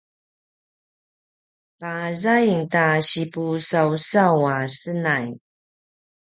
pazaing ta sipusausaw a senay